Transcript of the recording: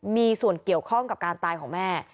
มีส่วนเกี่ยวข้องกับการตายของแม่